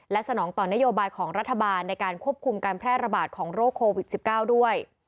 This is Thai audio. และสนองต่อนโยบายของรัฐบาลในการควบคุมการแพร่ระบาดของโรคโควิด๑๙ด้วย